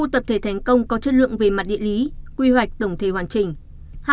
một tập thể thành công có chất lượng về mặt địa lý quy hoạch tổng thể hoàn chỉnh